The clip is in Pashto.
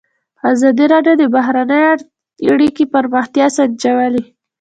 ازادي راډیو د بهرنۍ اړیکې پرمختګ سنجولی.